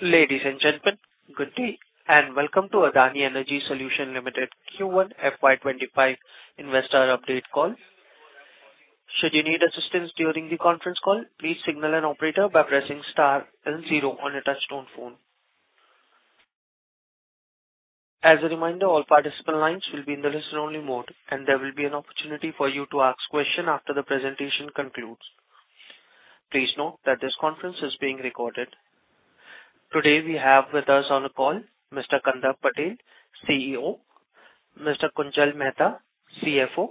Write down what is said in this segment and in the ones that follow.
Ladies and gentlemen, good day, and welcome to Adani Energy Solutions Limited Q1 FY25 investor update call. Should you need assistance during the conference call, please signal an operator by pressing star and zero on your touchtone phone. As a reminder, all participant lines will be in the listen-only mode, and there will be an opportunity for you to ask question after the presentation concludes. Please note that this conference is being recorded. Today, we have with us on the call Mr. Kandarp Patel, CEO, Mr. Kunjal Mehta, CFO,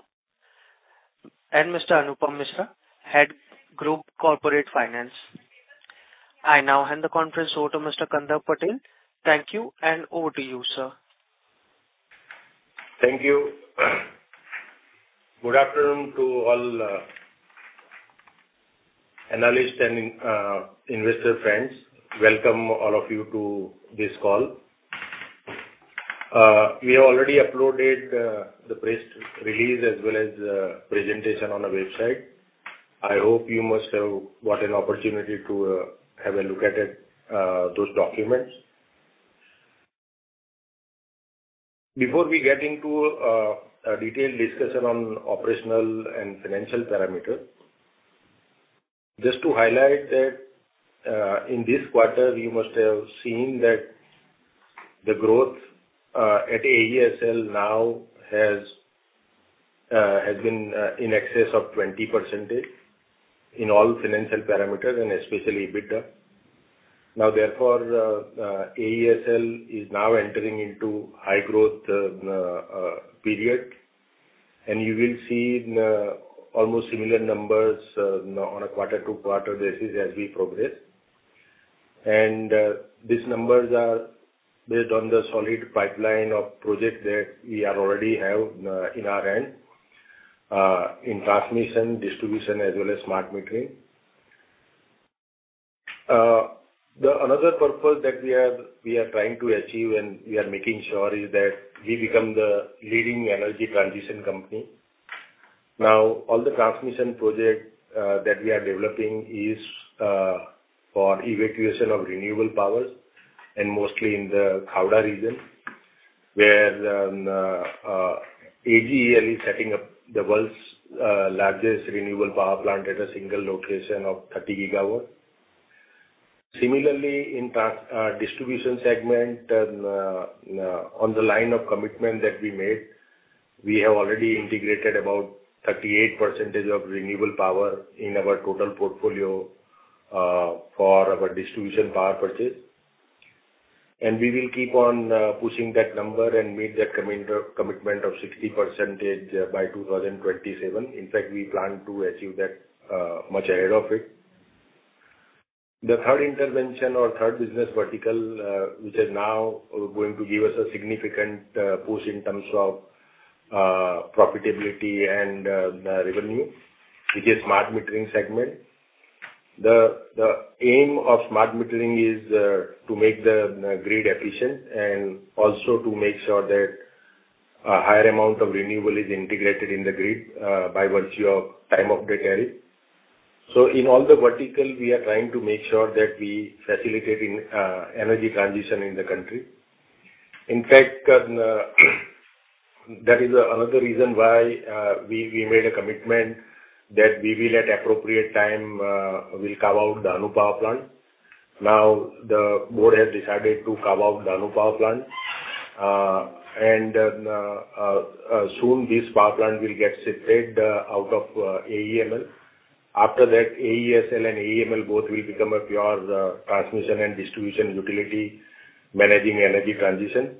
and Mr. Anupam Misra, Head Group Corporate Finance. I now hand the conference over to Mr. Kandarp Patel. Thank you, and over to you, sir. Thank you. Good afternoon to all, analyst and investor friends. Welcome, all of you, to this call. We have already uploaded the press release as well as presentation on the website. I hope you must have got an opportunity to have a look at it, those documents. Before we get into a detailed discussion on operational and financial parameters, just to highlight that, in this quarter, you must have seen that the growth at AESL now has been in excess of 20% in all financial parameters and especially EBITDA. Now, therefore, AESL is now entering into high growth period, and you will see almost similar numbers on a quarter-to-quarter basis as we progress. These numbers are based on the solid pipeline of projects that we already have in our end in transmission, distribution, as well as smart metering. Another purpose that we are trying to achieve and we are making sure is that we become the leading energy transition company. Now, all the transmission projects that we are developing is for evacuation of renewable powers and mostly in the Khavda region, where AGEL is setting up the world's largest renewable power plant at a single location of 30 GW. Similarly, in transmission, distribution segment, and on the line of commitment that we made, we have already integrated about 38% of renewable power in our total portfolio for our distribution power purchase. And we will keep on pushing that number and meet that commitment, commitment of 60% by 2027. In fact, we plan to achieve that much ahead of it. The third intervention or third business vertical which is now going to give us a significant push in terms of profitability and the revenue, which is smart metering segment. The aim of smart metering is to make the grid efficient and also to make sure that a higher amount of renewable is integrated in the grid by virtue of time of the tariff. So in all the verticals, we are trying to make sure that we facilitate in energy transition in the country. In fact, that is another reason why, we made a commitment that we will, at appropriate time, will carve out Dahanu power plant. Now, the board has decided to carve out Dahanu power plant. Soon this power plant will get separated, out of, AEML. After that, AESL and AEML both will become a pure, transmission and distribution utility managing energy transition.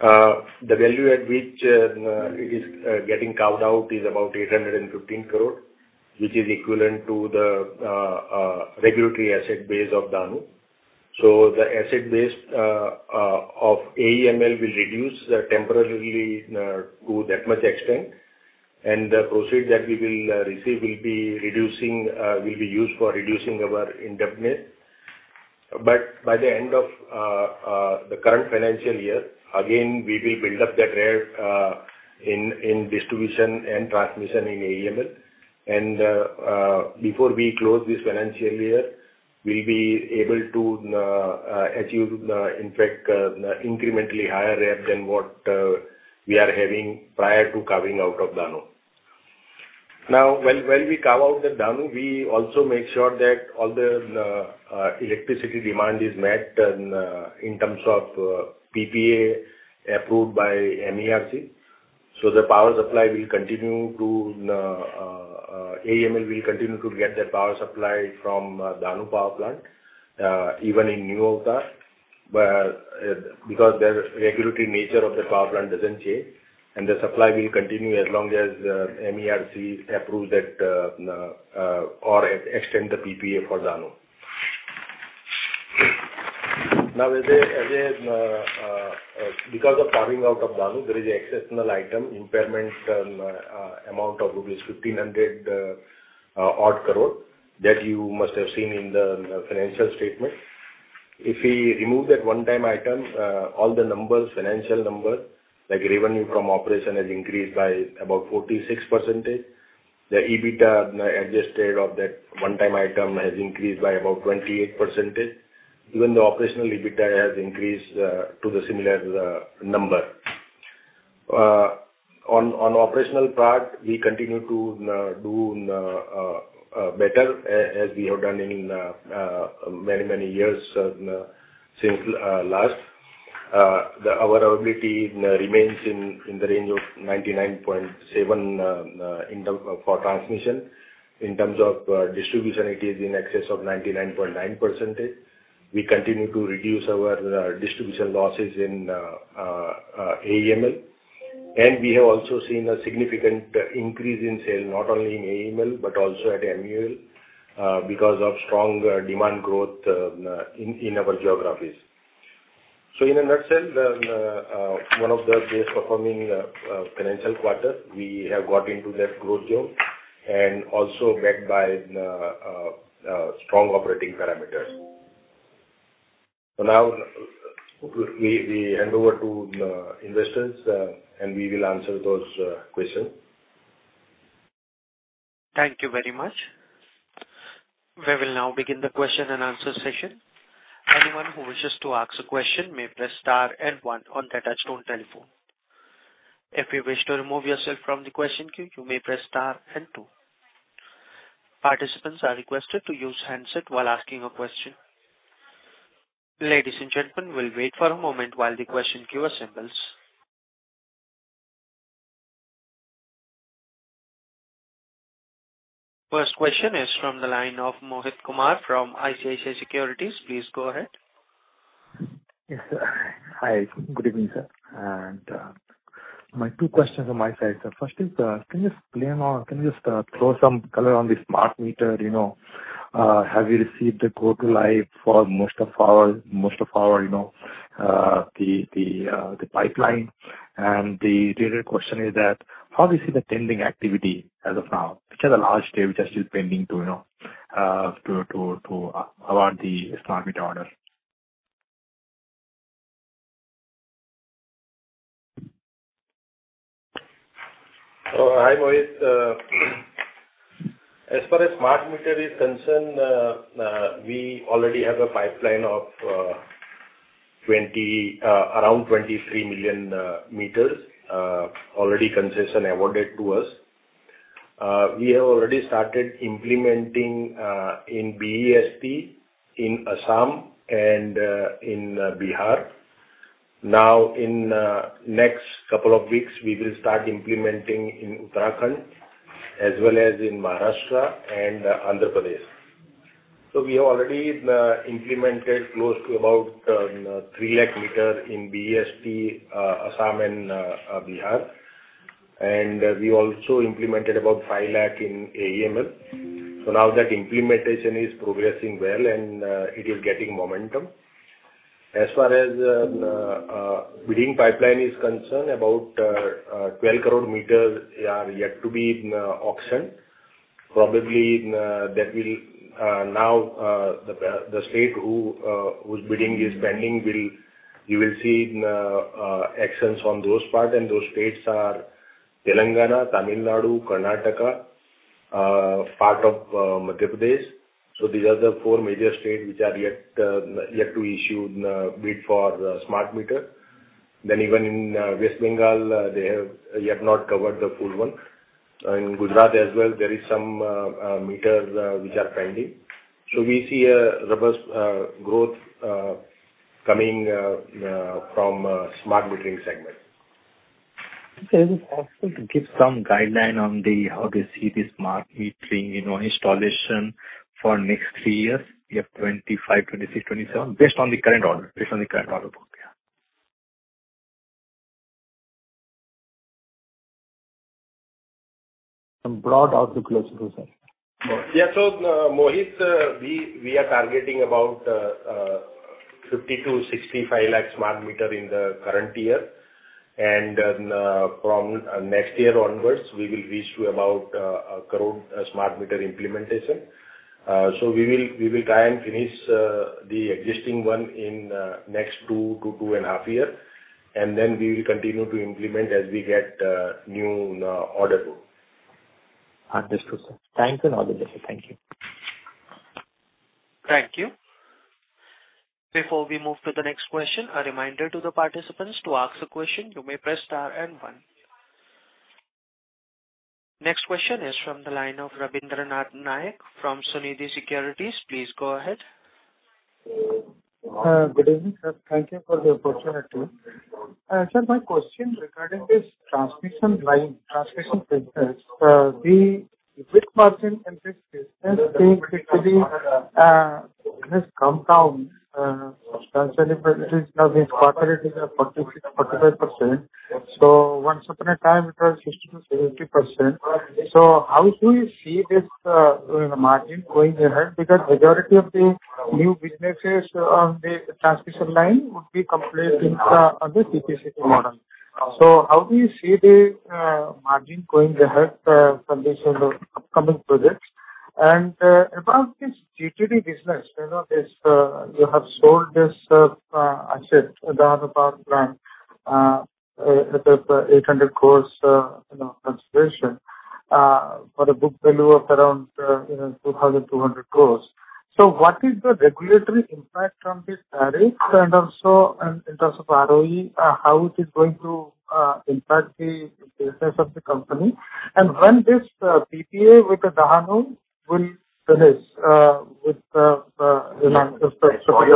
The value at which it is getting carved out is about 815 crore, which is equivalent to the regulatory asset base of Dahanu. So the asset base of AEML will reduce, temporarily, to that much extent, and the proceed that we will receive will be reducing, will be used for reducing our indebtedness. But by the end of the current financial year, again, we will build up that rate in distribution and transmission in AEML. And before we close this financial year, we'll be able to achieve, in fact, incrementally higher rate than what we are having prior to carving out of Dahanu. Now, when we carve out the Dahanu, we also make sure that all the electricity demand is met, and in terms of PPA approved by MERC. So the power supply will continue to AEML will continue to get the power supply from Dahanu power plant, even in lieu of that. But, because the regulatory nature of the power plant doesn't change, and the supply will continue as long as MERC approves that or extend the PPA for Dahanu. Now, because of carving out of Dahanu, there is an exceptional item, impairment, and amount of rupees 1,500 crore that you must have seen in the financial statement. If we remove that one-time item, all the financial numbers, like revenue from operation has increased by about 46%. The EBITDA adjusted of that one-time item has increased by about 28%. Even the operational EBITDA has increased to the similar number. On operational part, we continue to do better as we have done in many, many years since last. The availability remains in the range of 99.7 in terms of transmission. In terms of distribution, it is in excess of 99.9%. We continue to reduce our distribution losses in AEML, and we have also seen a significant increase in sales, not only in AEML, but also at MUL because of strong demand growth in our geographies. So in a nutshell, then, one of the best performing financial quarter, we have got into that growth zone and also backed by strong operating parameters. So now we hand over to investors and we will answer those questions. Thank you very much. We will now begin the question and answer session. Anyone who wishes to ask a question may press star and one on their touchtone telephone. If you wish to remove yourself from the question queue, you may press star and two. Participants are requested to use handset while asking a question. Ladies and gentlemen, we'll wait for a moment while the question queue assembles. First question is from the line of Mohit Kumar from ICICI Securities. Please go ahead. Yes, sir. Hi, good evening, sir, and my two questions on my side, sir. First is, can you just, can you just throw some color on the smart meter, you know? Have you received the go-to life for most of our, most of our, you know, the pipeline? And the related question is that, how do you see the pending activity as of now? Which are the large deals which are still pending to, you know, to award the smart meter orders? Oh, hi, Mohit. As far as smart meter is concerned, we already have a pipeline of around 23 million meters already concession awarded to us. We have already started implementing in BEST, in Assam and in Bihar. Now, in next couple of weeks, we will start implementing in Uttarakhand as well as in Maharashtra and Andhra Pradesh. So we have already implemented close to about 3 lakh meters in BEST, Assam and Bihar, and we also implemented about 5 lakh in AEML. So now that implementation is progressing well, and it is getting momentum. As far as bidding pipeline is concerned, about 12 crore meters are yet to be auctioned. Probably, that will, now, the state who, whose bidding is pending, ill you will see actions on those part, and those states are Telangana, Tamil Nadu, Karnataka, part of, Madhya Pradesh. So these are the four major states which are yet to issue bid for smart meter. Then even in West Bengal, they have yet not covered the full one. In Gujarat as well, there is some meters which are pending. So we see a robust growth coming from smart metering segment. Is it possible to give some guideline on how they see the smart metering, you know, installation for next three years, year 2025, 2026, 2027, based on the current order, based on the current order book, yeah. Some broad outlook, sir. Yeah. So, Mohit, we are targeting about 50-65 lakh smart meters in the current year. And then, from next year onwards, we will reach to about 1 crore smart meter implementation. So we will try and finish the existing one in next 2 to 2.5 year, and then we will continue to implement as we get new order book. Understood, sir. Thank you and all the best. Thank you. Thank you. Before we move to the next question, a reminder to the participants, to ask a question, you may press star and one. Next question is from the line of Ravindranath Nayak from Sunidhi Securities. Please go ahead. Good evening, sir. Thank you for the opportunity. Sir, my question regarding this transmission line, transmission business. The margin in this business thing actually has come down substantially, but it is now this quarter it is at 40%-45%. So once upon a time, it was 60%-70%. So how do you see this margin going ahead? Because majority of the new businesses on the transmission line would be completed in on the TBCB model. So how do you see the margin going ahead from this upcoming projects? And about this GTD business, you know, this you have sold this asset, the Dahanu power plant, at 800 crore consideration for a book value of around you know 2,200 crore. So what is the regulatory impact from this tariff? And also, in terms of ROE, how is it going to impact the business of the company? And when this PPA with the Dahanu will finish, with the, you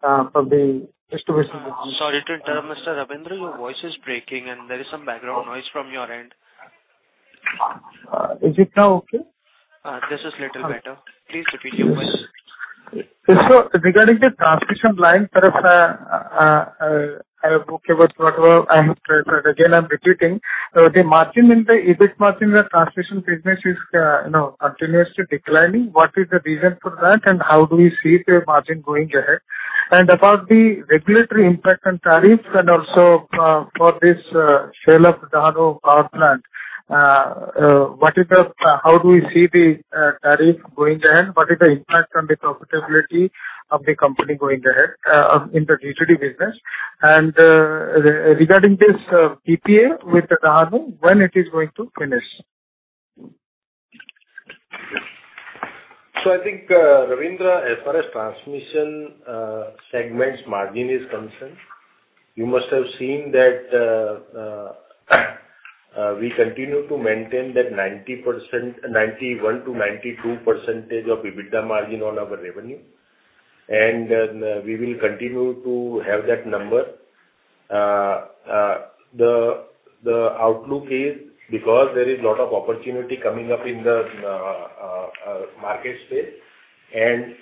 know, from the distribution? I'm sorry to interrupt, Mr. Ravindranath, your voice is breaking, and there is some background noise from your end. Is it now okay? This is little better. Please repeat your voice. So, regarding the transmission line, okay, but what about. I, again, I'm repeating. The margin in the EBIT margin in the transmission business is, you know, continuously declining. What is the reason for that, and how do we see the margin going ahead? And about the regulatory impact on tariffs, and also, for this sale of Dahanu power plant, what is the, how do we see the tariff going ahead? What is the impact on the profitability of the company going ahead, in the GTD business? And, regarding this PPA with Dahanu, when it is going to finish? So I think, Ravindra, as far as transmission segment's margin is concerned, you must have seen that we continue to maintain that 90%, 91%-92% EBITDA margin on our revenue, and we will continue to have that number. The outlook is because there is a lot of opportunity coming up in the market space, and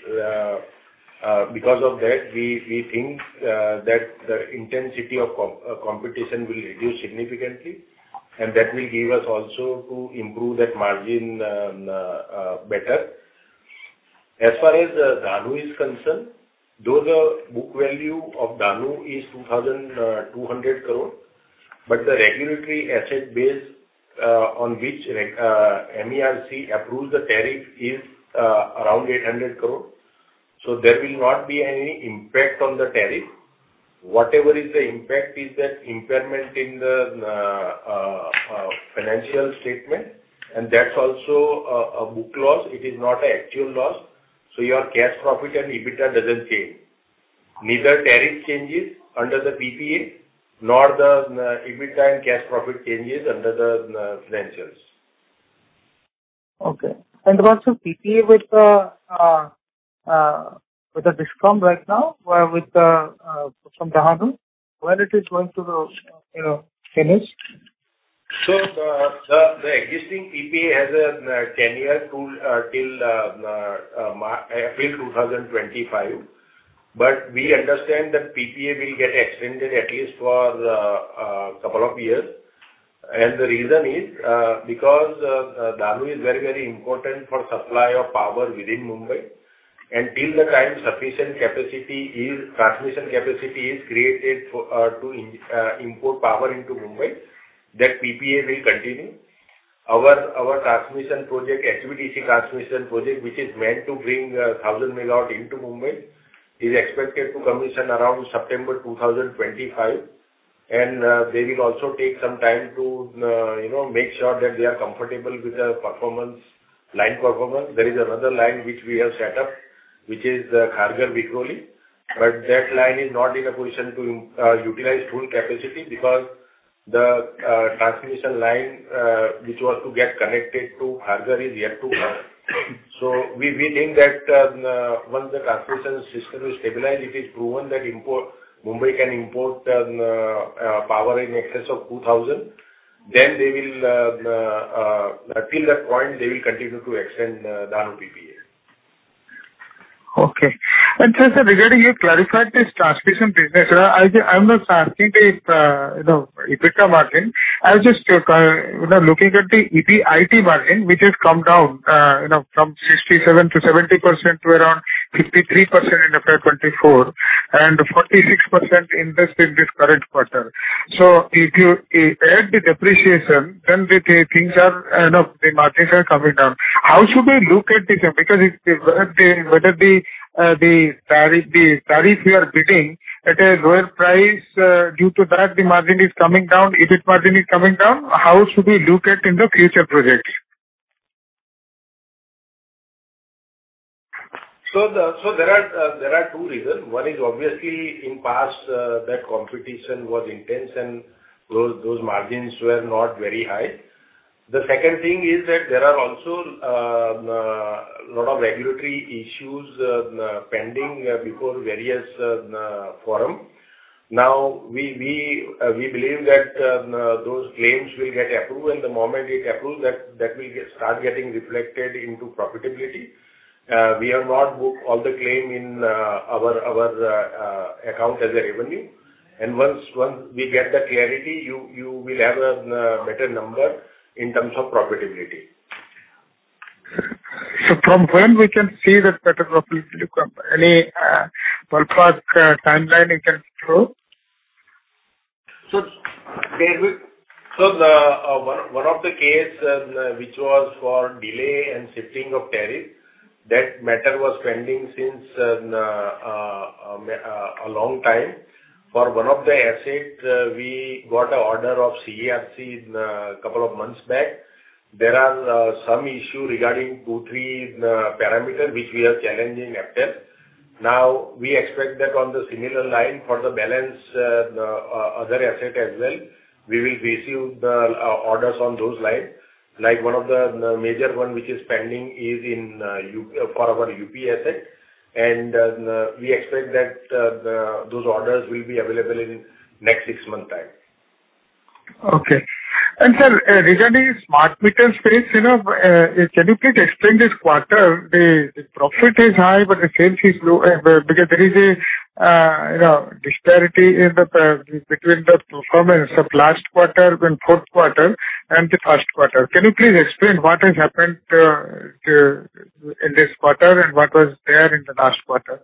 because of that, we think that the intensity of competition will reduce significantly, and that will give us also to improve that margin better. As far as Dahanu is concerned, though the book value of Dahanu is 2,200 crore, but the regulatory asset base on which MERC approves the tariff is around 800 crore, so there will not be any impact on the tariff. Whatever is the impact is that impairment in the financial statement, and that's also a book loss. It is not an actual loss. So your cash profit and EBITDA doesn't change. Neither tariff changes under the PPA, nor the EBITDA and cash profit changes under the financials. Okay, and also PPA with the, with the discount right now, where with the, from Dahanu, when it is going to, you know, finish? So the existing PPA has a 10-year term till April 2025. But we understand that PPA will get extended at least for a couple of years. And the reason is because Dahanu is very, very important for supply of power within Mumbai. And till the time sufficient transmission capacity is created for to import power into Mumbai, that PPA will continue. Our transmission project, HVDC transmission project, which is meant to bring 1,000 MW into Mumbai, is expected to commission around September 2025. And they will also take some time to you know make sure that they are comfortable with the performance, line performance. There is another line which we have set up, which is, Kharghar-Vikhroli, but that line is not in a position to, utilize full capacity because the, transmission line, which was to get connected to Kharghar is yet to come. So we, we think that, once the transmission system is stabilized, it is proven that import, Mumbai can import, power in excess of 2000, then they will, till that point, they will continue to extend, Dahanu PPA. Okay. And sir, sir, regarding you clarified this transmission business. I'm not asking this, you know, EBITDA margin. I was just, you know, looking at the EBIT margin, which has come down, you know, from 67%-70% to around 53% in FY 2024, and 46% in this current quarter. So if you add the depreciation, then the things are, you know, the margins are coming down. How should we look at this? Because if the, the, whether the, the tariff, the tariff you are bidding at a lower price, due to that, the margin is coming down, EBIT margin is coming down, how should we look at in the future projects? There are two reasons. One is obviously, in the past, that competition was intense and those margins were not very high. The second thing is that there are also a lot of regulatory issues pending before various forums. Now, we believe that those claims will get approved, and the moment it approves, that will start getting reflected into profitability. We have not booked all the claim in our account as a revenue. Once we get the clarity, you will have a better number in terms of profitability. So from when we can see that better profitability come, any ballpark timeline you can throw? So, Ravin, so the one of the case which was for delay and shifting of tariff, that matter was pending since a long time. For one of the assets, we got a order of CERC in couple of months back. There are some issue regarding two, three parameter, which we are challenging after. Now, we expect that on the similar line for the balance other asset as well, we will receive the orders on those lines. Like, one of the major one, which is pending is in UP for our UP asset, and we expect that the those orders will be available in next six-month time. Okay. And, sir, regarding smart meter space, you know, can you please explain this quarter? The profit is high, but the sales is low, because there is a, you know, disparity in the between the performance of last quarter, when fourth quarter and the first quarter. Can you please explain what has happened, in this quarter and what was there in the last quarter?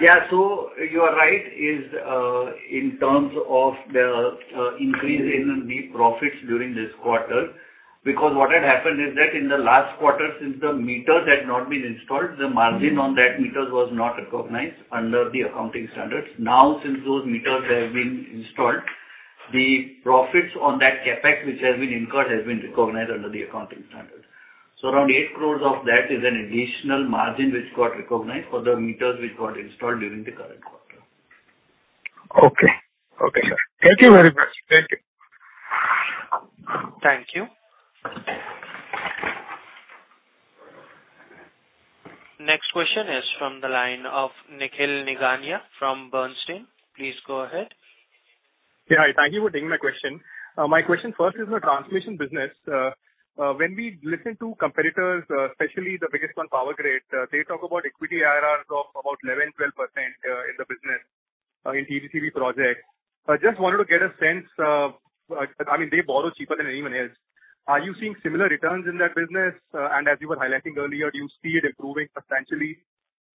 Yeah. So you are right, in terms of the increase in the profits during this quarter. Because what had happened is that in the last quarter, since the meters had not been installed, the margin on that meters was not recognized under the accounting standards. Now, since those meters have been installed, the profits on that CapEx, which has been incurred, has been recognized under the accounting standards. So around 8 crore of that is an additional margin which got recognized for the meters which got installed during the current quarter. Okay. Okay, sir. Thank you very much. Thank you. Thank you. Next question is from the line of Nikhil Nigania from Bernstein. Please go ahead. Yeah, hi. Thank you for taking my question. My question first is on transmission business. When we listen to competitors, especially the biggest one, Power Grid, they talk about equity IRRs of about 11%-12%, in the business, in TBCB project. I just wanted to get a sense of I mean, they borrow cheaper than anyone else. Are you seeing similar returns in that business? And as you were highlighting earlier, do you see it improving substantially,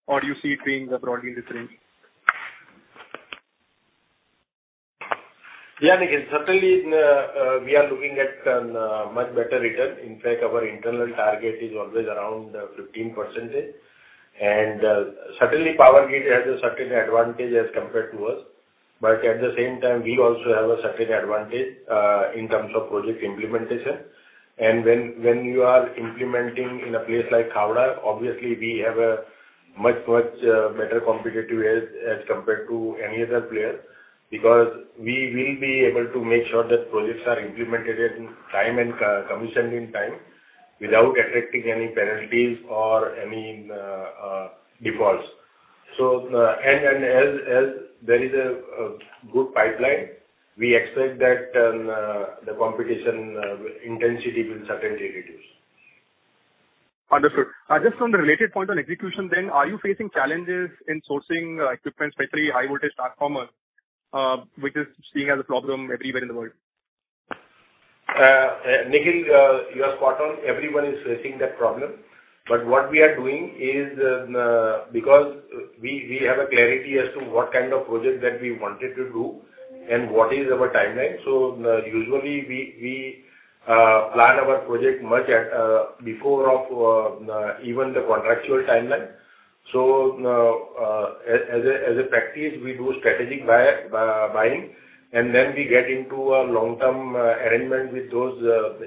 or do you see it being broadly in this range? Yeah, Nikhil. Certainly, we are looking at much better return. In fact, our internal target is always around 15%. And certainly, Power Grid has a certain advantage as compared to us, but at the same time, we also have a certain advantage in terms of project implementation. And when you are implementing in a place like Khavda, obviously we have a much, much better competitive edge as compared to any other player, because we will be able to make sure that projects are implemented in time and commissioned in time, without attracting any penalties or any defaults. So, and as there is a good pipeline, we expect that the competition intensity will certainly reduce. Understood. Just on the related point on execution then, are you facing challenges in sourcing, equipment, especially high voltage transformer, which is seen as a problem everywhere in the world? Nikhil, you are spot on. Everyone is facing that problem. But what we are doing is, because we have a clarity as to what kind of project that we wanted to do and what is our timeline, so usually we plan our project much ahead of even the contractual timeline. So, as a practice, we do strategic buying, and then we get into a long-term arrangement with those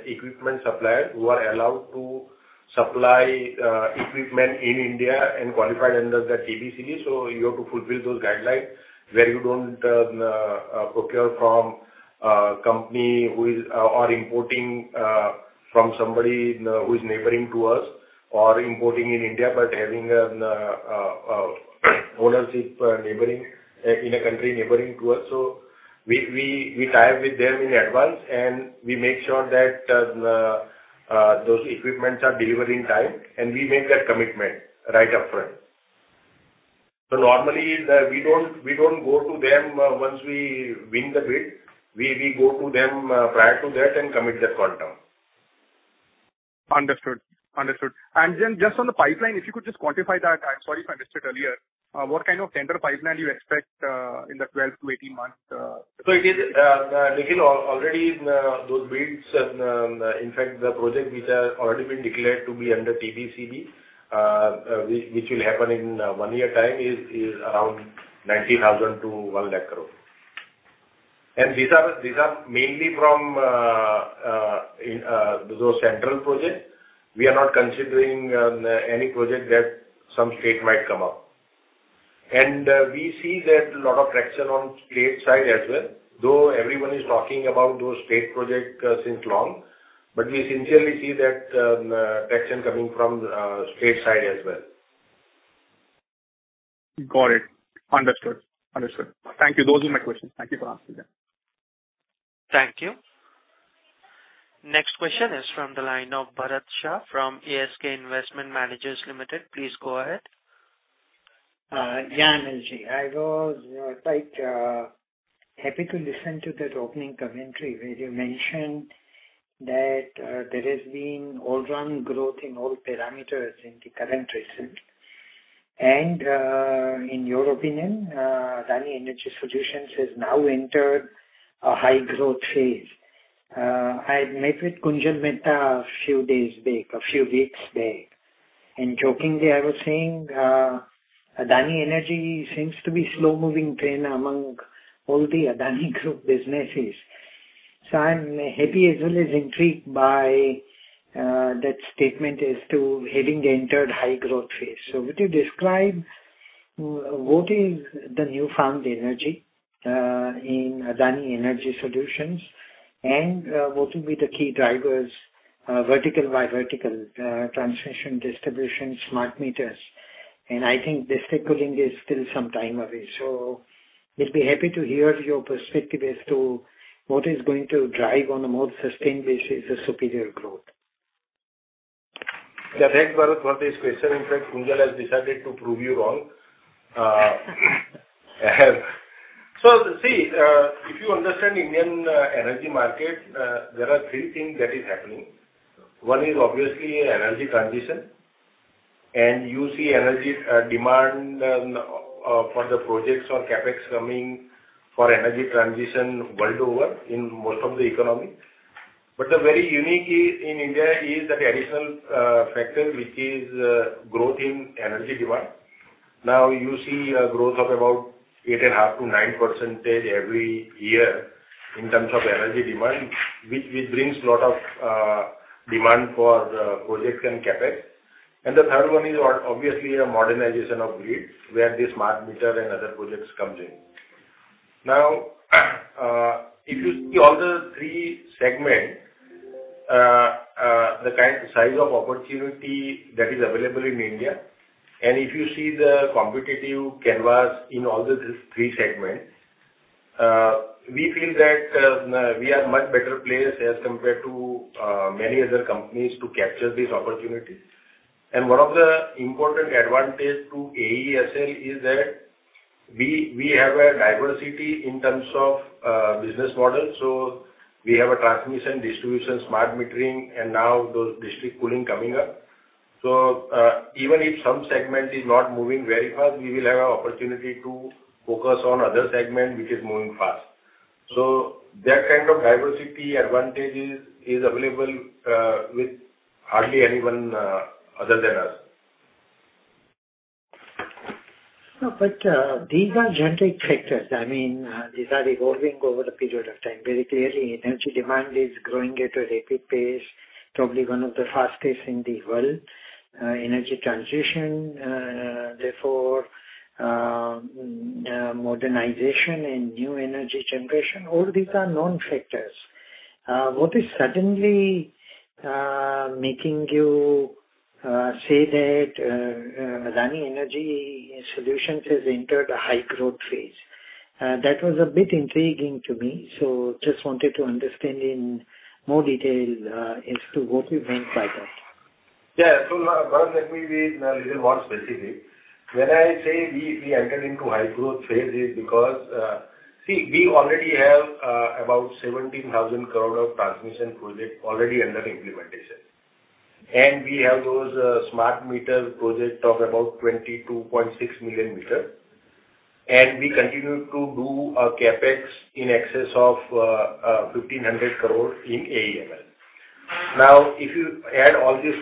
equipment suppliers who are allowed to supply equipment in India and qualified under the TBCB. So you have to fulfill those guidelines, where you don't procure from company who is or importing from somebody who is neighboring to us, or importing in India, but having ownership neighboring in a country neighboring to us. So we tie up with them in advance, and we make sure that those equipments are delivered in time, and we make that commitment right up front. So normally we don't go to them once we win the bid. We go to them prior to that and commit that quantum. Understood. Understood. And then just on the pipeline, if you could just quantify that, I'm sorry if I missed it earlier, what kind of tender pipeline you expect in the 12-18 months? So it is, Nikhil, already those bids, in fact, the projects which are already been declared to be under TBCB, which will happen in one year time, is around 90,000 crore-1,00,000 crore. And these are mainly from those central projects. We are not considering any project that some state might come up. And we see that a lot of traction on state side as well, though everyone is talking about those state projects since long, but we sincerely see that traction coming from state side as well. Got it. Understood. Understood. Thank you. Those are my questions. Thank you for asking them. Thank you. Next question is from the line of Bharat Shah from ASK Investment Managers Limited. Please go ahead. Adani Energy, I was, like, happy to listen to that opening commentary, where you mentioned that, there has been all round growth in all parameters in the current recent. And, in your opinion, Adani Energy Solutions has now entered a high growth phase. I had met with Kunjal Mehta a few days back, a few weeks back, and jokingly, I was saying, Adani Energy seems to be slow-moving train among all the Adani Group businesses. So I'm happy as well as intrigued by, that statement as to having entered high growth phase. So would you describe what is the newfound energy, in Adani Energy Solutions? And, what will be the key drivers, vertical by vertical, transmission, distribution, smart meters? And I think district cooling is still some time away. We'd be happy to hear your perspective as to what is going to drive on a more sustained basis the superior growth. Yeah, thanks, Bharat, for this question. In fact, Kunjal has decided to prove you wrong. So see, if you understand Indian energy market, there are three things that is happening. One is obviously energy transition, and you see energy demand for the projects or CapEx coming for energy transition world over in most of the economy. But the very unique is, in India is that the additional factor, which is growth in energy demand. Now, you see a growth of about 8.5%-9% every year in terms of energy demand, which brings a lot of demand for the projects and CapEx. And the third one is obviously a modernization of grids, where the smart meter and other projects comes in. Now, if you see all the three segments, the kind, size of opportunity that is available in India, and if you see the competitive canvas in all the these three segments, we feel that, we are much better placed as compared to, many other companies to capture these opportunities. And one of the important advantage to AESL is that we, we have a diversity in terms of, business model. So we have a transmission, distribution, smart metering, and now those district cooling coming up. So, even if some segment is not moving very fast, we will have an opportunity to focus on other segment, which is moving fast. So that kind of diversity advantages is available, with hardly anyone, other than us. No, but, these are generic factors. I mean, these are evolving over the period of time. Very clearly, energy demand is growing at a rapid pace, probably one of the fastest in the world. Energy transition, therefore, modernization and new energy generation, all these are known factors. What is suddenly making you say that Adani Energy Solutions has entered a high growth phase? That was a bit intriguing to me, so just wanted to understand in more detail as to what you meant by that. Yeah. So, Bharat, let me be a little more specific. When I say we, we entered into high growth phase, is because, see, we already have about 17,000 crore of transmission project already under implementation. And we have those smart meter projects of about 22.6 million meter. And we continue to do CapEx in excess of 1,500 crore in AEML. Now, if you add all these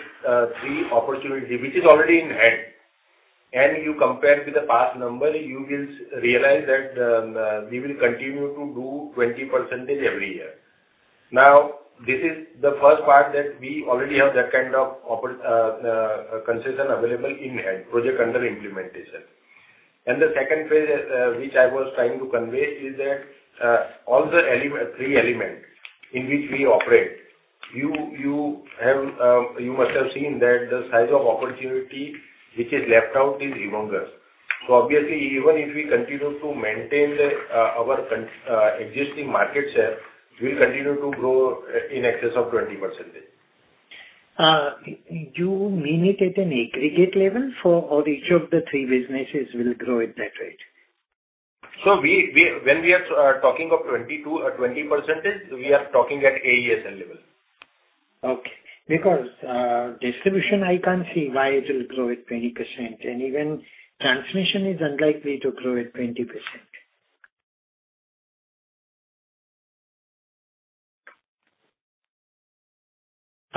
three opportunity, which is already in hand, and you compare to the past number, you will realize that we will continue to do 20% every year. Now, this is the first part, that we already have that kind of concession available in hand, project under implementation. The second phase, which I was trying to convey, is that all the three elements in which we operate, you must have seen that the size of opportunity which is left out is humongous. So obviously, even if we continue to maintain our existing market share, we'll continue to grow in excess of 20%. You mean it at an aggregate level for all each of the three businesses will grow at that rate? So we, when we are talking of 22% or 20%, we are talking at AESL level. Okay. Because, distribution, I can't see why it will grow at 20%, and even transmission is unlikely to grow at 20%.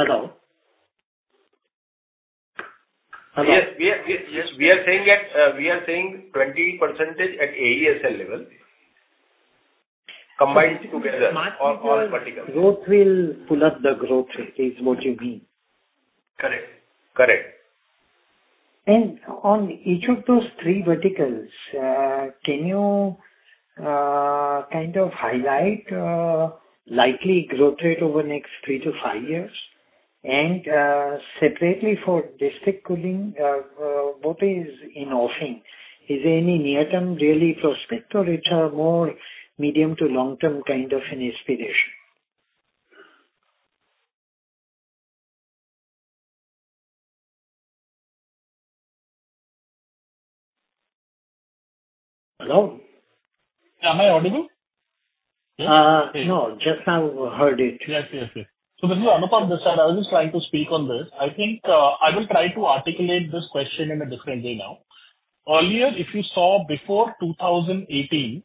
Hello? Yes, we are saying 20% at AESL level, combined together- Smart meter- All, all verticals. Growth will pull up the growth rate is what you mean? Correct. Correct. On each of those three verticals, can you kind of highlight likely growth rate over the next three to five years? Separately for district cooling, what is in offering? Is there any near-term really prospect, or it's a more medium to long-term kind of an aspiration? Hello? Am I audible? No, just now heard it. Yes, yes, yes. So this is Anupam Mishra. I was just trying to speak on this. I think, I will try to articulate this question in a different way now. Earlier, if you saw before 2018,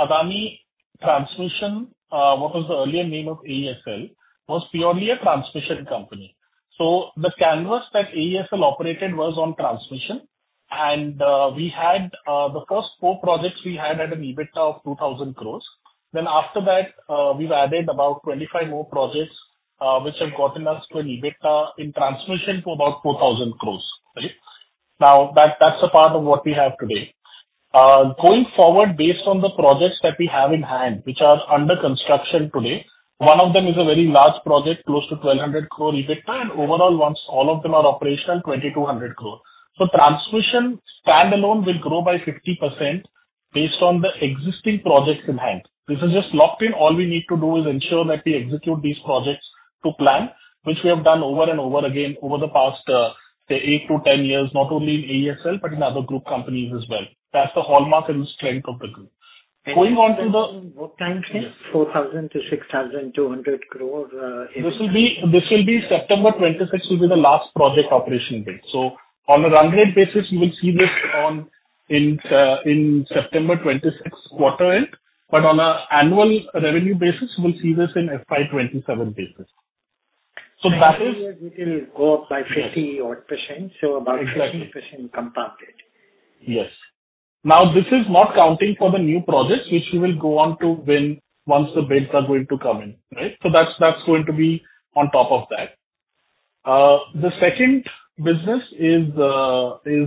Adani Transmission, what was the earlier name of AESL, was purely a transmission company. So the canvas that AESL operated was on transmission, and, we had, the first four projects we had at an EBITDA of 2,000 crore. Then after that, we've added about 25 more projects, which have gotten us to an EBITDA in transmission to about 4,000 crore, right? Now, that, that's a part of what we have today. Going forward, based on the projects that we have in hand, which are under construction today, one of them is a very large project, close to 1,200 crore EBITDA, and overall, once all of them are operational, 2,200 crore. So transmission standalone will grow by 50% based on the existing projects in hand. This is just locked in. All we need to do is ensure that we execute these projects to plan, which we have done over and over again over the past, say, 8-10 years, not only in AESL but in other group companies as well. That's the hallmark and strength of the group. Going on to the- What time is 4,000 crore-6,200 crore? This will be, this will be September 2026 will be the last project operation date. So on a run rate basis, you will see this on, in, in September 2026 quarter end, but on an annual revenue basis, we'll see this in FY 2027 basis. So that is- It will go up by 50-odd%, so about 50% compounded. Yes. Now, this is not counting for the new projects, which we will go on to win once the bids are going to come in, right? So that's, that's going to be on top of that. The second business is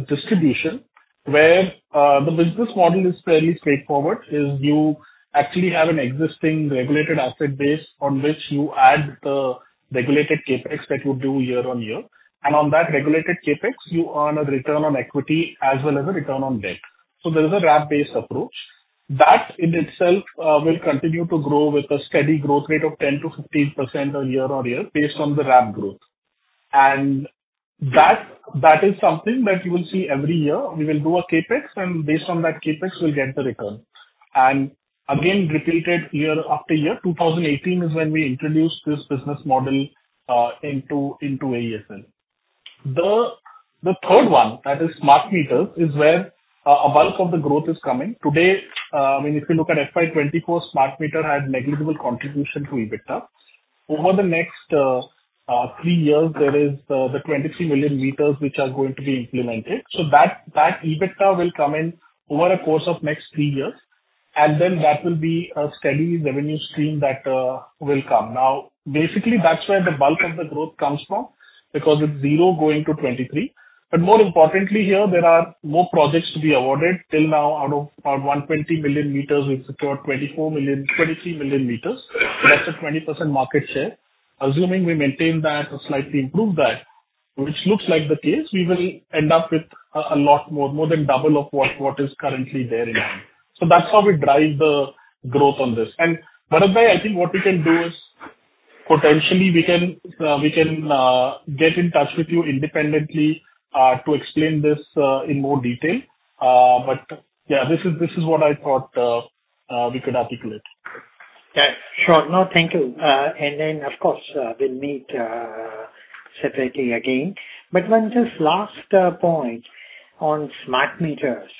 distribution, where the business model is fairly straightforward, is you actually have an existing regulated asset base on which you add the regulated CapEx that you do year-on-year, and on that regulated CapEx, you earn a return on equity as well as a return on debt. So there is a RAB-based approach. That in itself will continue to grow with a steady growth rate of 10%-15% year-over-year, based on the RAB growth. And that, that is something that you will see every year. We will do a CapEx, and based on that CapEx, we'll get the return. Again, repeated year after year. 2018 is when we introduced this business model into AESL. The third one, that is smart meters, is where a bulk of the growth is coming. Today, I mean, if you look at FY 2024, smart meter had negligible contribution to EBITDA. Over the next three years, there is the 23 million meters which are going to be implemented. So that EBITDA will come in over a course of next three years, and then that will be a steady revenue stream that will come. Now, basically, that's where the bulk of the growth comes from, because it's zero going to 23. But more importantly here, there are more projects to be awarded. Till now, out of about 120 million meters, we've secured 24 million, 23 million meters. That's a 20% market share. Assuming we maintain that or slightly improve that, which looks like the case, we will end up with a lot more, more than double of what is currently there in hand. So that's how we drive the growth on this. And, Bharat, I think what we can do is, potentially we can get in touch with you independently to explain this in more detail. But yeah, this is what I thought we could articulate. Yeah, sure. No, thank you. And then, of course, we'll meet separately again. But when this last point on smart meters,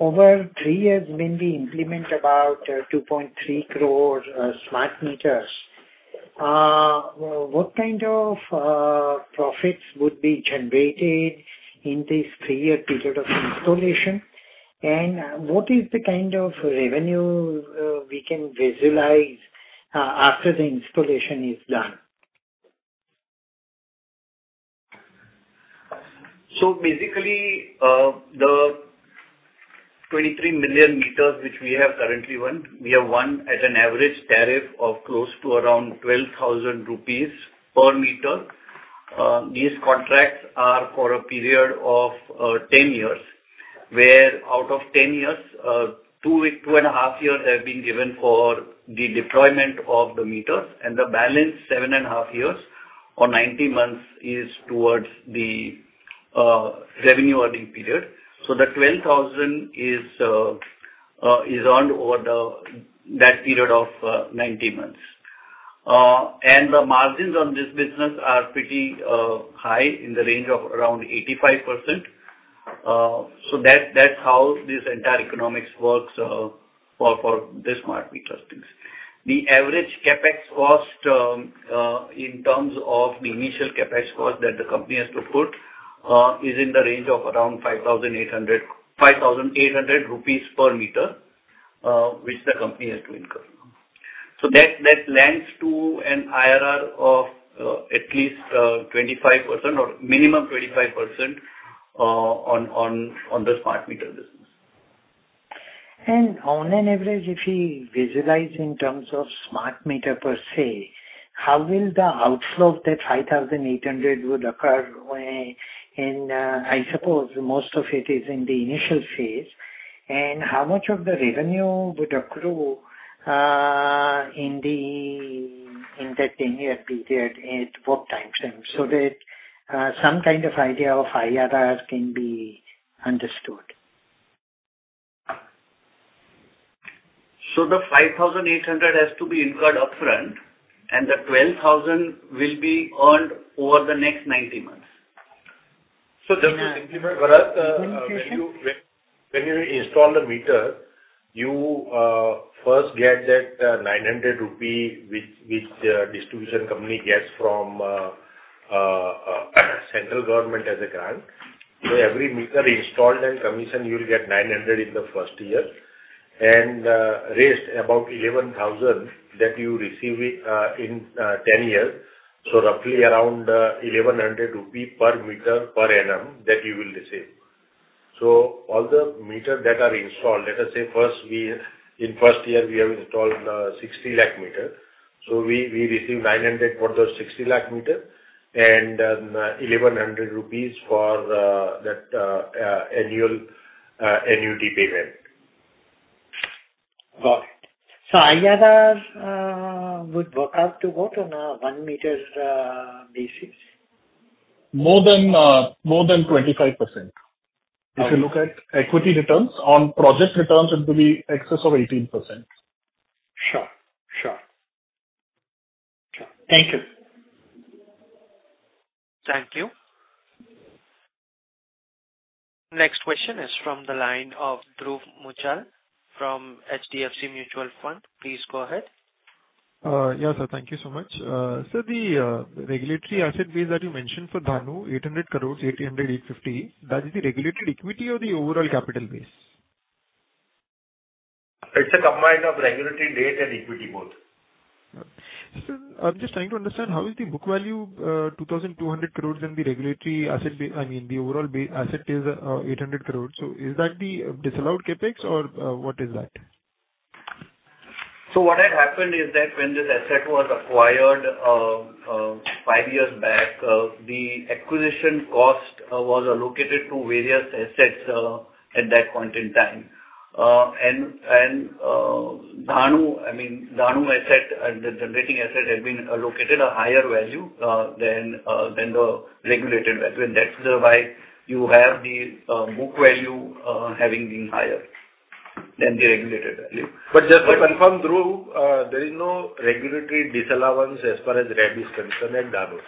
over three years, when we implement about 2.3 crores smart meters, what kind of profits would be generated in this three-year period of installation? And what is the kind of revenue we can visualize after the installation is done? So basically, the 23 million meters which we have currently won, we have won at an average tariff of close to around 12,000 rupees per meter. These contracts are for a period of 10 years, where out of 10 years, 2, 2.5 years have been given for the deployment of the meters, and the balance, 7.5 years or 90 months, is towards the revenue earning period. So the 12,000 is earned over that period of 90 months. And the margins on this business are pretty high, in the range of around 85%. So that's how this entire economics works for this smart meter business. The average CapEx cost, in terms of the initial CapEx cost that the company has to put, is in the range of around 5,800, 5,800 rupees per meter, which the company has to incur. So that, that lands to an IRR of, at least, 25% or minimum 25%, on, on, on the smart meter business. On an average, if we visualize in terms of smart meter per se, how will the outflow of that 5,800 would occur when in, I suppose most of it is in the initial phase. And how much of the revenue would accrue in that 10-year period, at what time frame, so that some kind of idea of IRR can be understood? So the 5,800 has to be incurred upfront, and the 12,000 will be earned over the next 90 months. So just to simplify for us, when you install the meter, you first get that 900 rupee, which distribution company gets from central government as a grant. So every meter installed and commissioned, you'll get 900 in the first year, and rest about 11,000 that you receive it in 10 years. So roughly around 1,100 rupee per meter per annum, that you will receive. So all the meter that are installed, let us say in first year, we have installed 6,000,000 meters. We receive 900 for those 60 lakh meters and 1,100 rupees for that annual annuity payment. Got it. So IRR would work out to what on a one meter basis? More than, more than 25%. If you look at equity returns, on project returns, it will be excess of 18%. Sure. Sure. Sure. Thank you. Thank you. Next question is from the line of Dhruv Muchhal from HDFC Mutual Fund. Please go ahead. Yeah, sir. Thank you so much. Sir, the regulatory asset base that you mentioned for Dahanu, 800 crore-850 crore, that is the regulated equity or the overall capital base? It's a combination of regulatory debt and equity both. Sir, I'm just trying to understand, how is the book value 2,200 crore in the regulatory asset base. I mean, the overall base asset is 800 crore. So is that the disallowed CapEx or what is that? So what had happened is that when this asset was acquired, five years back, the acquisition cost was allocated to various assets at that point in time. And, and, Dahanu, I mean, Dahanu asset, the generating asset had been allocated a higher value than the regulated value. And that's why you have the book value having been higher than the regulated value. But just to confirm, Dhruv, there is no regulatory disallowance as far as RAB is concerned in Dahanu.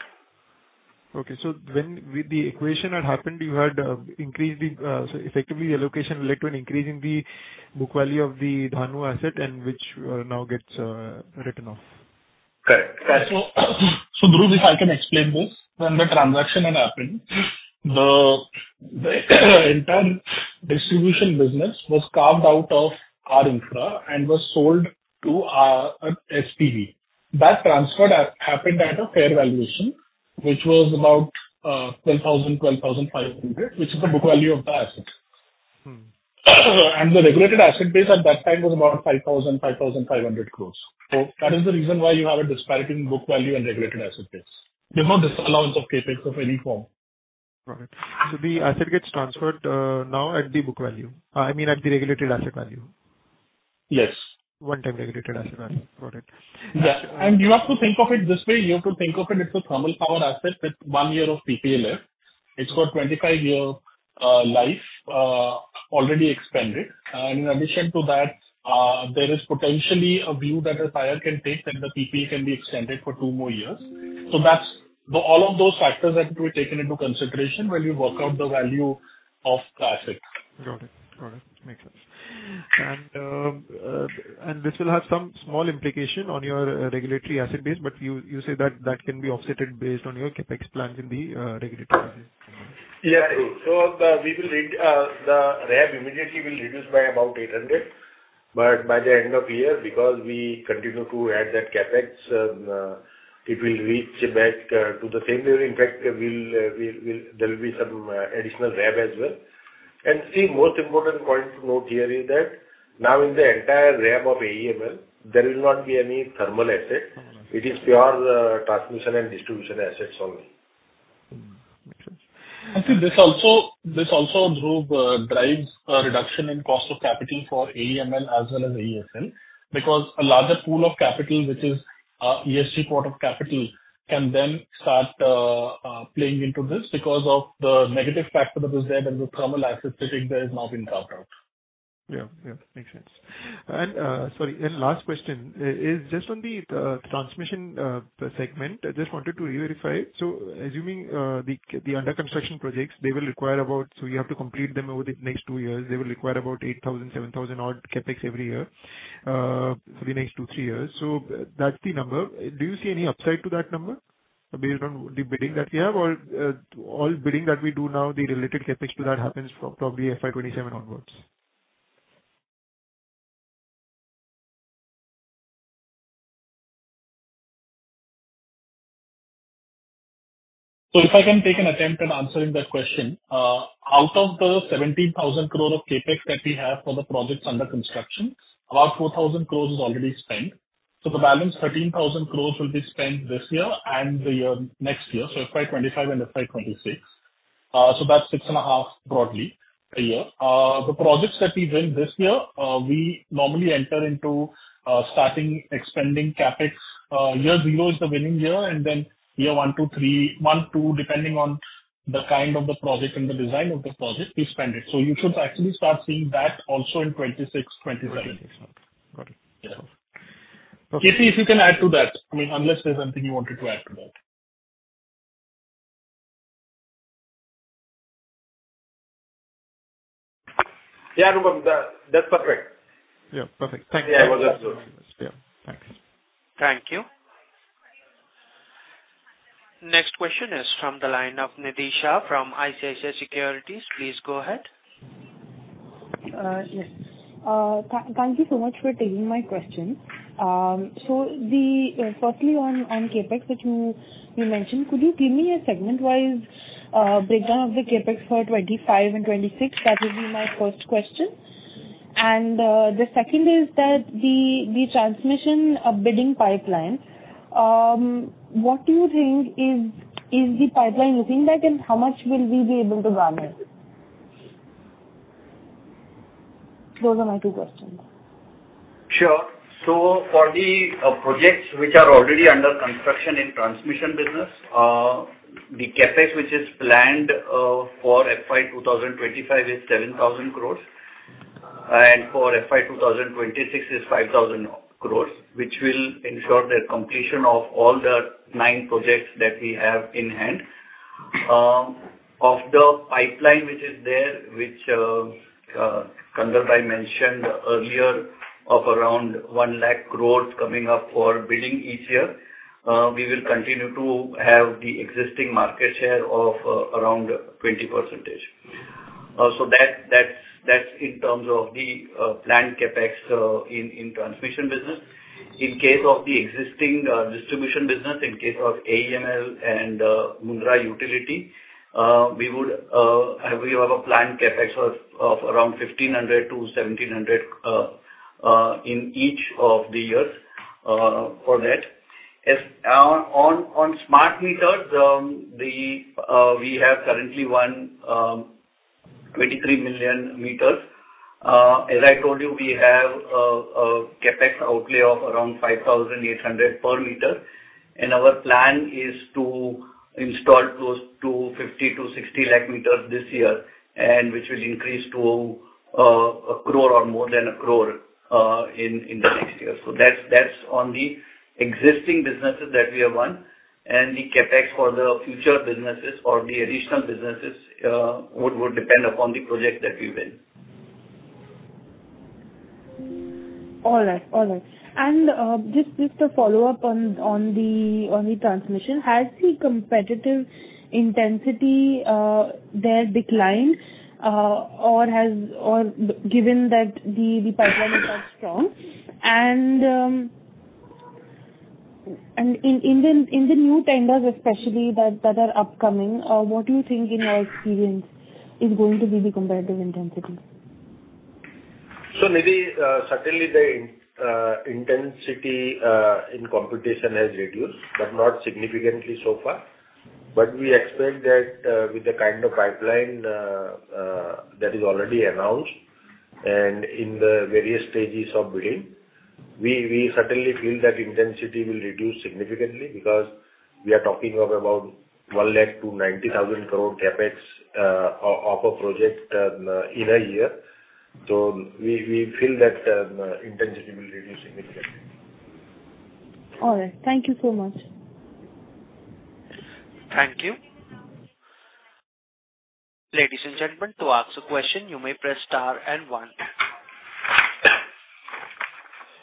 Okay. So when with the acquisition that happened, you had increased the, so effectively, the allocation led to an increase in the book value of the Dahanu asset and which now gets written off? Correct. So, Dhruv, if I can explain this. When the transaction had happened, the entire distribution business was carved out of RInfra and was sold to SPV. That transfer had happened at a fair valuation, which was about 10,000-12,500, which is the book value of the asset. The regulated asset base at that time was about 5,000-5,500 crore. That is the reason why you have a disparity in book value and regulated asset base. There's no disallowance of CapEx of any form. Got it. So the asset gets transferred, now at the book value, I mean, at the regulated asset value? Yes. One time regulated asset value. Got it. Yeah. And you have to think of it this way. You have to think of it as a thermal power asset with one year of PPA left. It's got 25-year life already expended. And in addition to that, there is potentially a view that a buyer can take that the PPA can be extended for two more years. So that's. The, all of those factors that were taken into consideration when we work out the value of the asset. Got it. Got it. Makes sense. And this will have some small implication on your regulatory asset base, but you say that can be offset based on your CapEx plans in the regulatory phase. Yeah. So, we will need the RAB immediately will reduce by about 800, but by the end of year, because we continue to add that CapEx, it will reach back to the same level. In fact, we'll, there'll be some additional RAB as well. And see, most important point to note here is that now in the entire RAB of AEML, there will not be any thermal asset. It is pure transmission and distribution assets only. Makes sense. And see, this also, this also, Dhruv, drives a reduction in cost of capital for AEML as well as AESL, because a larger pool of capital, which is, ESG pool of capital, can then start, playing into this because of the negative factor that was there, and the thermal asset sitting there has now been carved out. Yeah, yeah, makes sense. And, sorry, and last question. Is just on the transmission segment. I just wanted to reverify. So assuming the under construction projects, they will require about. So you have to complete them over the next 2 years. They will require about 8,000-7,000-odd CapEx every year for the next 2-3 years. So that's the number. Do you see any upside to that number based on the bidding that you have? All bidding that we do now, the related CapEx to that happens from probably FY 2027 onwards. So if I can take an attempt at answering that question, out of the 17,000 crore of CapEx that we have for the projects under construction, about 4,000 crore is already spent. So the balance 13,000 crore will be spent this year and the year next year, so FY 2025 and FY 2026. So that's 6.5 thousand crore, broadly, a year. The projects that we win this year, we normally enter into starting expending CapEx. Year zero is the winning year, and then year one, two, three. One, two, depending on the kind of the project and the design of the project, we spend it. So you should actually start seeing that also in 2026, 2027. Got it. Yeah. Okay. KC, if you can add to that, I mean, unless there's something you wanted to add to that. Yeah, Anupam, that, that's perfect. Yeah, perfect. Thank you. Yeah, that's all. Yeah. Thanks. Thank you. Next question is from the line of Nidhi Shah from ICICI Securities. Please go ahead. Yes. Thank you so much for taking my question. So, firstly, on, on CapEx, which you, you mentioned, could you give me a segment-wise breakdown of the CapEx for 2025 and 2026? That would be my first question. The second is that the, the transmission bidding pipeline, what do you think is, is the pipeline looking like, and how much will we be able to garner? Those are my two questions. Sure. So for the projects which are already under construction in transmission business, the CapEx, which is planned, for FY 2025, is 7,000 crore, and for FY 2026 is 5,000 crore, which will ensure the completion of all the 9 projects that we have in hand. Of the pipeline which is there, which Kandarp mentioned earlier, of around 100,000 crore coming up for bidding each year, we will continue to have the existing market share of around 20%. So that's in terms of the planned CapEx in transmission business. In case of the existing distribution business, in case of AEML and Mundra utility, we have a planned CapEx of around 1,500-1,700 in each of the years for that. On smart meters, we have currently 1.23 million meters. As I told you, we have a CapEx outlay of around 5,800 per meter, and our plan is to install close to 50-60 lakh meters this year, and which will increase to a crore or more than a crore in the next year. So that's on the existing businesses that we have won, and the CapEx for the future businesses or the additional businesses would depend upon the project that we win. All right. All right. Just a follow-up on the transmission. Has the competitive intensity there declined, or given that the pipeline is strong? And in the new tenders especially that are upcoming, what do you think, in your experience, is going to be the competitive intensity? So, Nidhi, certainly the intensity in competition has reduced, but not significantly so far. But we expect that, with the kind of pipeline that is already announced and in the various stages of bidding, we certainly feel that intensity will reduce significantly because we are talking of about 1 lakh to 90,000 crore CapEx of a project in a year. So we feel that intensity will reduce significantly. All right. Thank you so much. Thank you. Ladies and gentlemen, to ask a question, you may press star and one.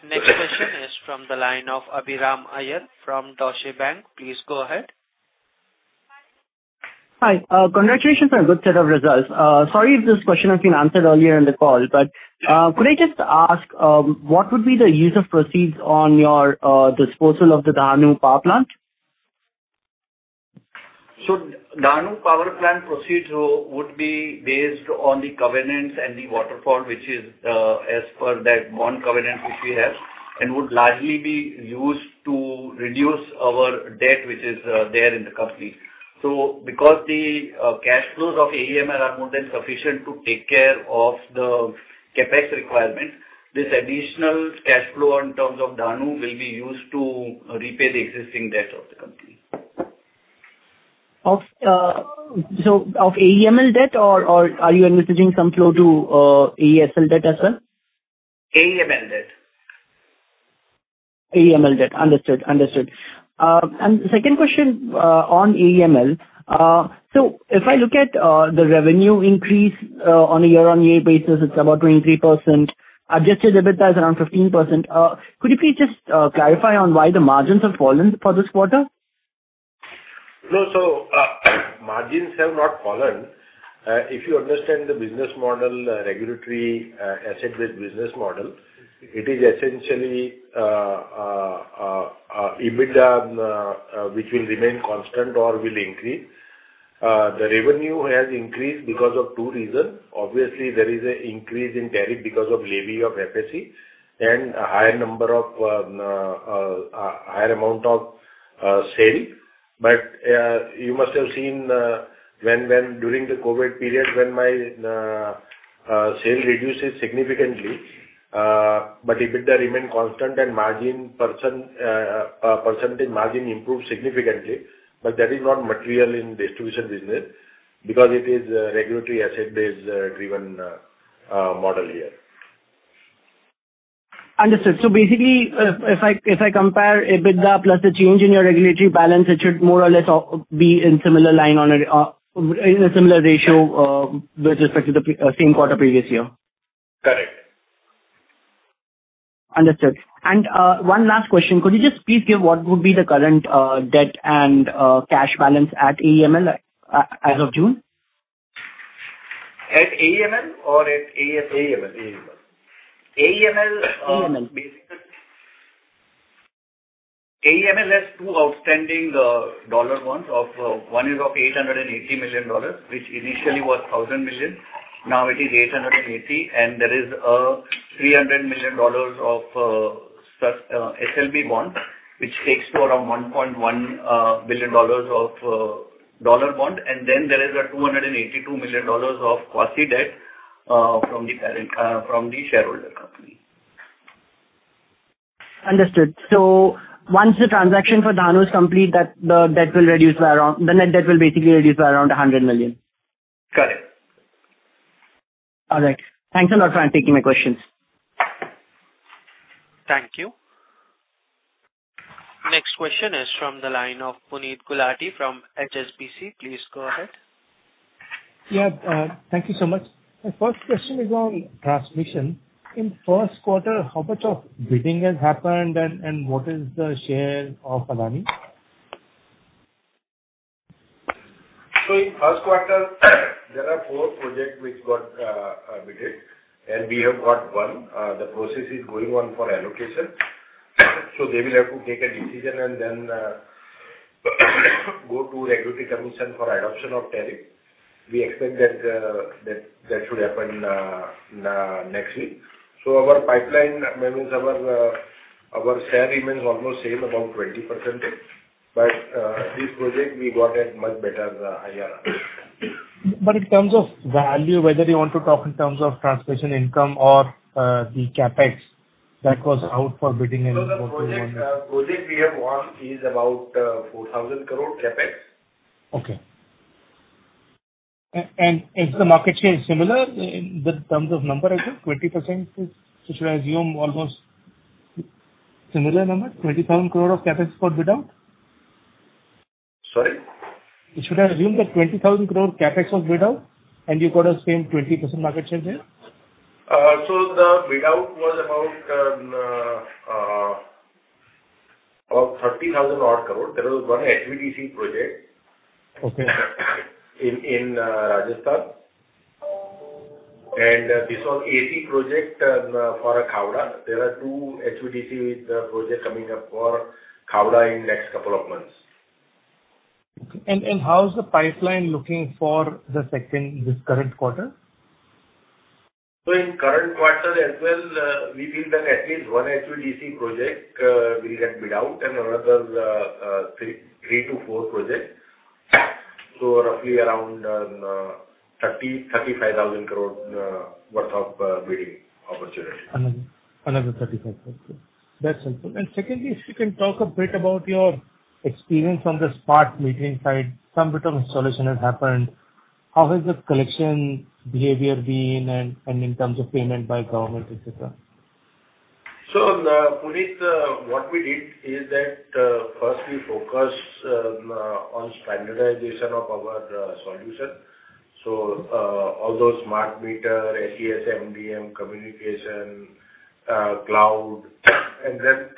Next question is from the line of Abhiram Iyer from Deutsche Bank. Please go ahead. Hi. Congratulations on a good set of results. Sorry if this question has been answered earlier in the call, but could I just ask what would be the use of proceeds on your disposal of the Dahanu Power Plant? So Dahanu Power Plant proceeds would be based on the covenants and the waterfall, which is, as per that bond covenant, which we have, and would largely be used to reduce our debt, which is, there in the company. So because the, cash flows of AEML are more than sufficient to take care of the CapEx requirements, this additional cash flow in terms of Dahanu will be used to repay the existing debt of the company. So of AEML debt, or are you envisaging some flow to AESL debt as well? AEML debt. AEML debt. Understood, understood. And second question, on AEML. So if I look at, the revenue increase, on a year-on-year basis, it's about 23%. Adjusted EBITDA is around 15%. Could you please just, clarify on why the margins have fallen for this quarter? No, margins have not fallen. If you understand the business model, regulatory asset-based business model, it is essentially EBITDA, which will remain constant or will increase. The revenue has increased because of two reasons. Obviously, there is a increase in tariff because of levy of FSC, and a higher number of, a higher amount of, sale. But, you must have seen, when during the COVID period, when my, sale reduces significantly, but EBITDA remain constant and margin percent, percentage margin improves significantly. But that is not material in distribution business, because it is a regulatory asset-based, driven, model here. Understood. So basically, if I compare EBITDA plus the change in your regulatory balance, it should more or less be in similar line on a in a similar ratio with respect to the pre- same quarter previous year? Correct. Understood. One last question. Could you just please give what would be the current debt and cash balance at AEML as of June? At AEML or at AESL? AEML, AEML. AEML. AEML. AEML has two outstanding dollar bonds. One is of $880 million, which initially was 1,000 million, now it is 880. There is $300 million of SLB bond, which takes to around $1.1 billion of dollar bond. Then there is $282 million of quasi-debt from the parent from the shareholder company. Understood. So once the transaction for Dahanu complete, the debt will reduce by around. The net debt will basically reduce by around 100 million? Correct. All right. Thanks a lot for taking my questions. Thank you. Next question is from the line of Puneet Gulati from HSBC. Please go ahead. Yeah, thank you so much. My first question is on transmission. In first quarter, how much of bidding has happened, and what is the share of Adani? In first quarter, there are four projects which got bid, and we have got one. The process is going on for allocation. So they will have to take a decision and then go to Regulatory Commission for adoption of tariff. We expect that should happen next week. So our pipeline, that means our share remains almost same, about 20%. But this project we got at much better, higher. But in terms of value, whether you want to talk in terms of transmission income or, the CapEx that was out for bidding in- The project we have won is about 4,000 crore CapEx. Okay. And is the market share similar in terms of number, I think? Twenty percent is, so should I assume almost similar number, 20,000 crore of CapEx for bid out? Sorry? Should I assume that 20,000 crore CapEx was bid out, and you got the same 20% market share there? The bid out was about 30,000 crore. There was one HVDC project- Okay. In Rajasthan. And this was AC project for Khavda. There are two HVDC project coming up for Khavda in next couple of months. How's the pipeline looking for the second, this current quarter? In the current quarter as well, we feel that at least one HVDC project will get bid out and another 3-4 projects. Roughly around 30,000-35,000 crore worth of bidding opportunity. Another, another 35. That's helpful. And secondly, if you can talk a bit about your experience on the smart metering side. Some bit of installation has happened. How has the collection behavior been and, and in terms of payment by government, et cetera? So, Puneet, what we did is that first we focused on standardization of our solution. So all those Smart Meter, ACS, MDM, communication, cloud, and then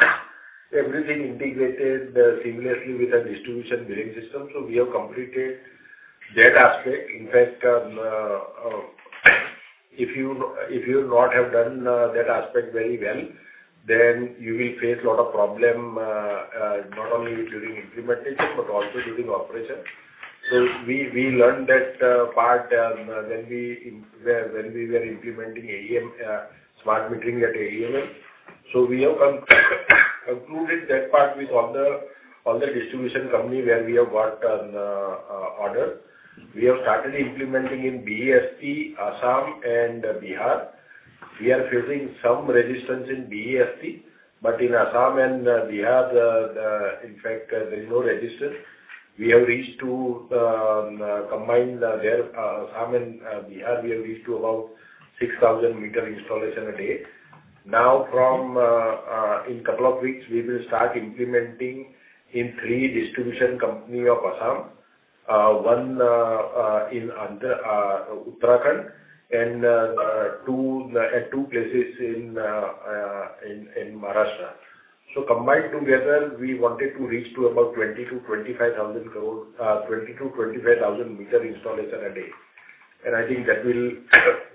everything integrated seamlessly with our distribution billing system. So we have completed that aspect. In fact, if you not have done that aspect very well, then you will face a lot of problem not only during implementation but also during operation. So we learned that part when we were implementing smart metering at AEML. So we have concluded that part with other distribution company, where we have got order. We have started implementing in BEST, Assam and Bihar. We are facing some resistance in BEST, but in Assam and Bihar, the, in fact, there is no resistance. We have reached to combined there Assam and Bihar, we have reached to about 6,000 meter installation a day. Now from in couple of weeks, we will start implementing in three distribution company of Assam. One in Uttarakhand and two at two places in in Maharashtra. So combined together, we wanted to reach to about 20,000-25,000 crore, 20,000-25,000 meter installation a day. And I think that will,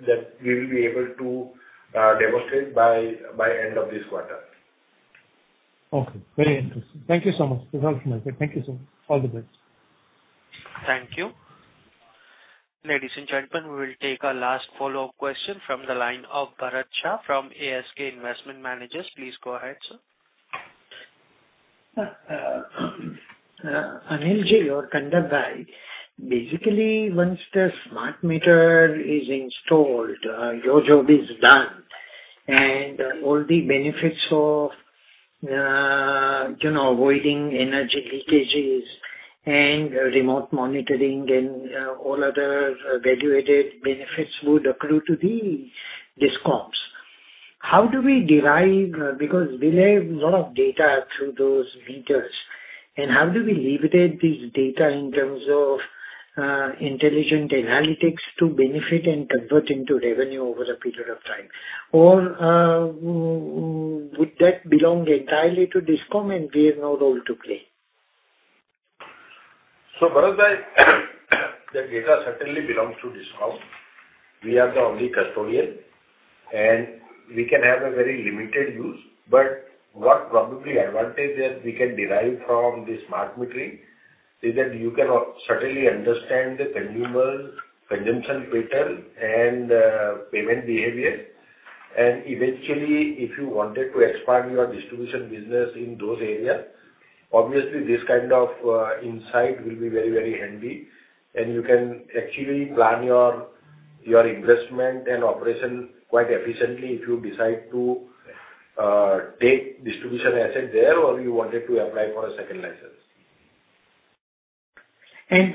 that we will be able to demonstrate by end of this quarter. Okay, very interesting. Thank you so much. Thank you so much. All the best. Thank you. Ladies and gentlemen, we will take our last follow-up question from the line of Bharat Shah from ASK Investment Managers. Please go ahead, sir. Anil Ji, or Kandarp Ji, basically, once the smart meter is installed, your job is done, and all the benefits of, you know, avoiding energy leakages and remote monitoring and, all other graduated benefits would accrue to the DISCOMS. How do we derive, because we have a lot of data through those meters, and how do we leverage this data in terms of, intelligent analytics to benefit and convert into revenue over a period of time? Or, would that belong entirely to DISCOM and we have no role to play? So Bharat Shah, the data certainly belongs to DISCOM. We are the only custodian, and we can have a very limited use, but what probably advantage that we can derive from the smart metering is that you can certainly understand the consumer consumption pattern and payment behavior. And eventually, if you wanted to expand your distribution business in those areas, obviously this kind of insight will be very, very handy, and you can actually plan your investment and operation quite efficiently if you decide to take distribution asset there, or you wanted to apply for a second license.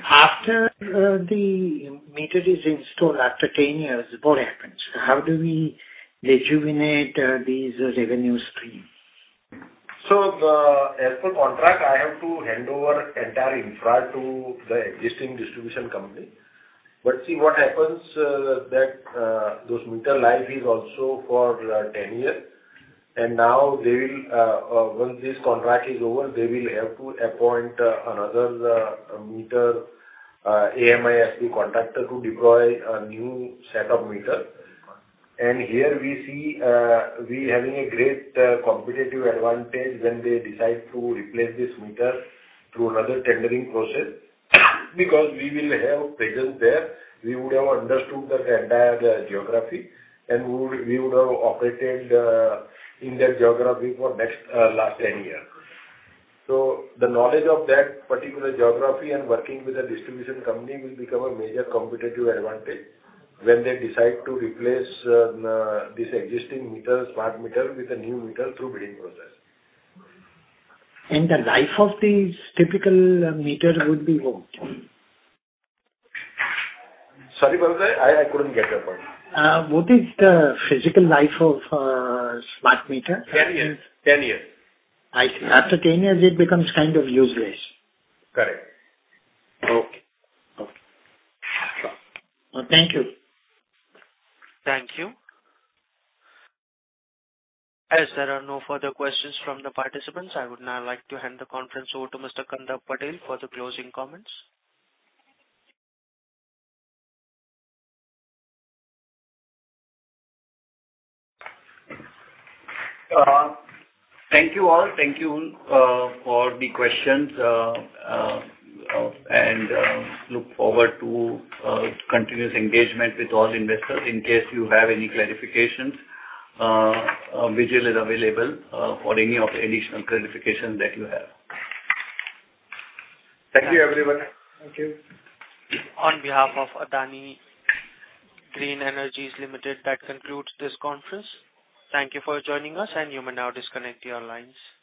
After the meter is installed, after 10 years, what happens? How do we rejuvenate these revenue streams? So, as per contract, I have to hand over entire infra to the existing distribution company. But see what happens, that those meter life is also for 10 years. Now they will, once this contract is over, they will have to appoint another meter AMI as the contractor to deploy a new set of meters. Here we see we having a great competitive advantage when they decide to replace this meter through another tendering process, because we will have presence there. We would have understood the entire geography, and we would have operated in that geography for last 10 years. So the knowledge of that particular geography and working with a distribution company will become a major competitive advantage when they decide to replace this existing meter, smart meter, with a new meter through bidding process. The life of these typical meter would be what? Sorry, Bharat Shah, I couldn't get your point. What is the physical life of smart meter? 10 years. 10 years. I see. After 10 years, it becomes kind of useless. Correct. Okay. Okay. Thank you. Thank you. As there are no further questions from the participants, I would now like to hand the conference over to Mr. Kandarp Patel for the closing comments. Thank you, all. Thank you for the questions. And look forward to continuous engagement with all investors. In case you have any clarifications, Vijil is available for any of the additional clarifications that you have. Thank you, everyone. Thank you. On behalf of Adani Green Energy Limited, that concludes this conference. Thank you for joining us, and you may now disconnect your lines.